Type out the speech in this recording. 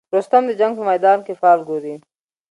رستم د جنګ په میدان کې فال ګوري.